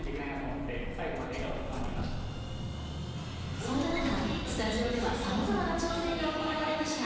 そんな中、スタジオではさまざまな挑戦が行われました。